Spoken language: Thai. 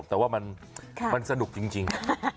แต่ว่ามันสนุกจริง